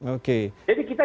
oke jadi kita